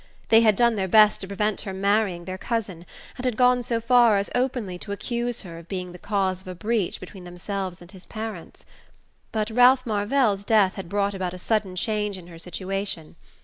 They had done their best to prevent her marrying their cousin, and had gone so far as openly to accuse her of being the cause of a breach between themselves and his parents. But Ralph Marvell's death had brought about a sudden change in her situation.